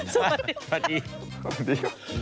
สวัสดี